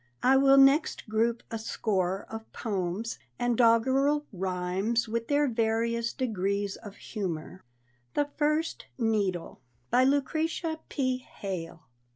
I will next group a score of poems and doggerel rhymes with their various degrees of humor. THE FIRST NEEDLE. BY LUCRETIA P. HALE.